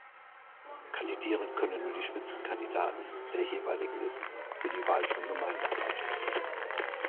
Kandidieren können nur die Spitzenkandidaten der jeweiligen Listen für die Wahl zum Gemeinderat.